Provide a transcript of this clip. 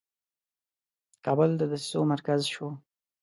کابل د دسیسو مرکز شو.